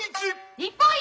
日本一！